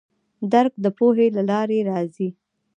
درک د پوهې له لارې راځي.